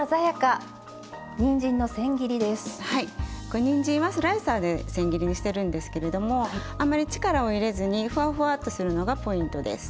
これにんじんはスライサーでせん切りにしてるんですけれどもあまり力を入れずにふわふわっとするのがポイントです。